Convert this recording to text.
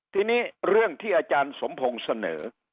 ทีนี้เรื่องที่อาจารย์สมพงศ์เสนอ